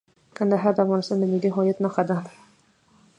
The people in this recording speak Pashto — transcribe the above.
کندهار د افغانستان د ملي هویت نښه ده.